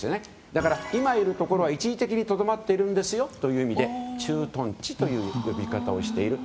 だから、今いるところは一時的にとどまっているんですよという意味で駐屯地という呼び方をしている。